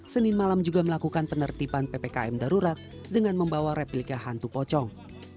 senin malam juga melakukan penertiban ppkm darurat dengan membawa replika hantu pocong